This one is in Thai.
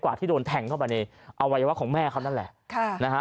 ที่โดนแทงเข้าไปในอวัยวะของแม่เขานั่นแหละค่ะนะฮะ